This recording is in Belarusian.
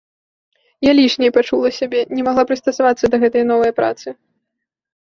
Я лішняй пачула сябе, не магла прыстасавацца да гэтае новае працы.